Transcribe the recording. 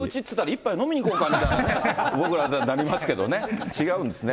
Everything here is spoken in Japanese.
もう角打ちっていったら、一杯飲みに行こうかって、僕らだとなりますけどね、違うんですね。